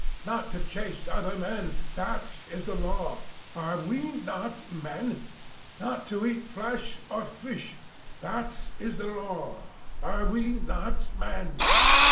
'Not to chase other Men; that is the Law. Are we not Men? Not to eat Flesh or Fish; that is the Law. Are we not Men?